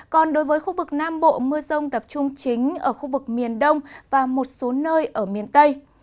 còn đối với khu vực nam bộ mưa rông tập trung chính ở khu vực miền đông và một số nơi ở miền tây